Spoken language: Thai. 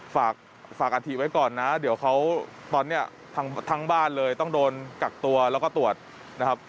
ฝากอาถิไว้ก่อนนะเดี๋ยวเขาตอนนี้ทั้งบ้านเลยต้องโดนกักตัวแล้วก็ตรวจนะครับ